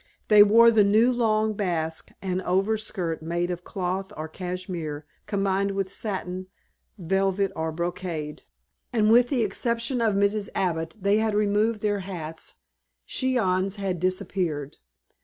They wore the new long basque and overskirt made of cloth or cashmere, combined with satin, velvet or brocade, and with the exception of Mrs. Abbott they had removed their hats. Chignons had disappeared.